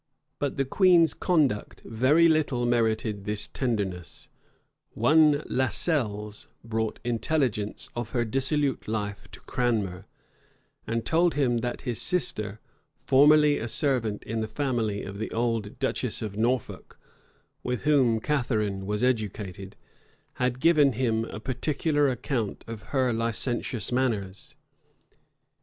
But the queen's conduct very little merited this tenderness: one Lascelles brought intelligence of her dissolute life to Cranmer; and told him that his sister, formerly a servant in the family of the old duchess of Norfolk, with whom Catharine was educated, had given him a particular account of her licentious manners.